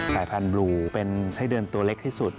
สายพันธุ์บลูเป็นไส้เดือนตัวเล็กที่สุด